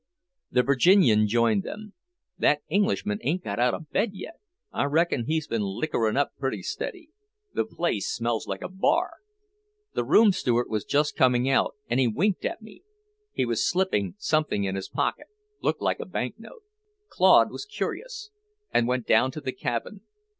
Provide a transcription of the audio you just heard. The Virginian joined them. "That Englishman ain't got out of bed yet. I reckon he's been liquouring up pretty steady. The place smells like a bar. The room steward was just coming out, and he winked at me. He was slipping something in his pocket, looked like a banknote." Claude was curious, and went down to the cabin.